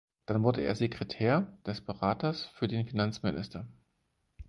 Dann wurde er Sekretär des Beraters für den Finanzminister.